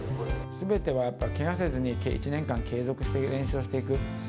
すべてはやっぱ、けがせずに１年間継続して、練習をしていく。